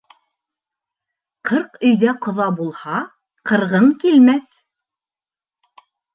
Ҡырҡ өйҙә ҡоҙа булһа, ҡырғын килмәҫ.